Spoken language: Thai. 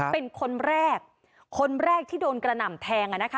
เป็นคนแรกคนแรกที่โดนกระหน่ำแทง